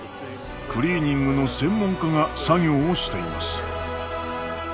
クリーニングの専門家が作業をしています。